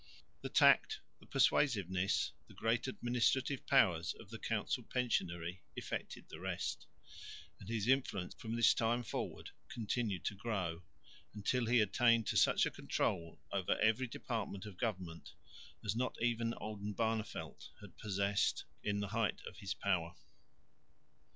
The tact, the persuasiveness, the great administrative powers of the council pensionary effected the rest; and his influence from this time forward continued to grow, until he attained to such a control over every department of government, as not even Oldenbarneveldt had possessed in the height of his power.